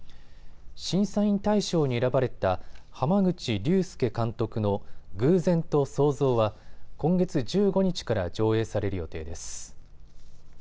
審査員大賞に選ばれた濱口竜介監督の偶然と想像は今月１５日から上映される予定です。